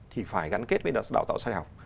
thì phải gắn kết với đào tạo sau đại học